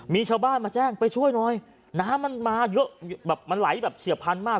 มีชาวบ้านมาแจ้งไปช่วยหน่อยน้ำมันมาเยอะแบบมันไหลแบบเฉียบพันธุ์มาก